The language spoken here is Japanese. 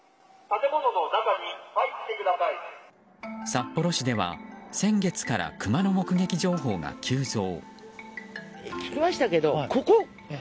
札幌市では先月からクマの目撃情報が急増。